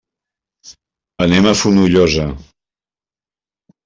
Anem a Fonollosa.